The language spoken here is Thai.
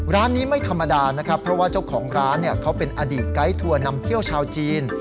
ร้านนี้ไม่ธรรมดานะครับเพราะว่าเจ้าของร้านเขาเป็นอดีตไกด์ทัวร์นำเที่ยวชาวจีน